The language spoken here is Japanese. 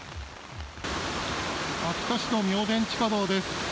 秋田市の地下道です。